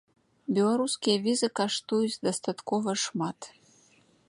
Беларускія візы каштуюць дастаткова шмат.